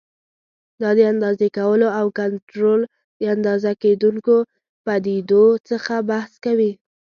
دا د اندازې کولو او کنټرول او د اندازه کېدونکو پدیدو څخه بحث کوي.